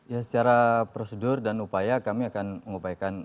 ya secara prosedur dan upaya kami akan mengupayakan